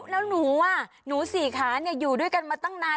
แล้วหนูหนูสี่ขาอยู่ด้วยกันมาตั้งนาน